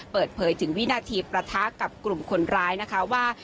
เปิดเผยถึงวินาทีประทะกับกลุ่มคนร้ายนะคะว่า